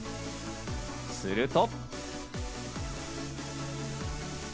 すると。